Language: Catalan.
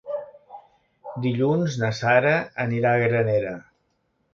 Dilluns na Sara anirà a Granera.